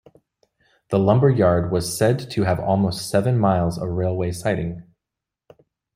The lumber yard was said to have almost seven miles of railway siding.